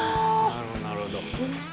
なるほどなるほど。